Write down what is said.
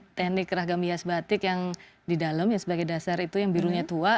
jadi batik keragam hias batik yang di dalam yang sebagai dasar itu yang birunya tua